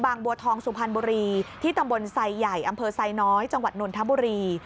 บัวทองสุพรรณบุรีที่ตำบลไซใหญ่อำเภอไซน้อยจังหวัดนนทบุรี